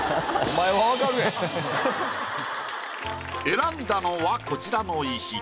選んだのはこちらの石。